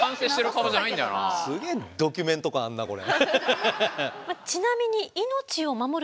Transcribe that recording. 顔がすげえドキュメント感あんなこれ。